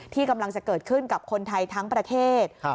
ที่กำลังจะเกิดขึ้นกับคนไทยทั้งประเทศ